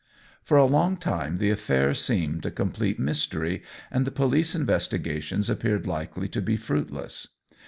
For a long time the affair seemed a complete mystery, and the police investigations appeared likely to be fruitless.